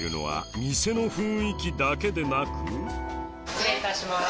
失礼いたします。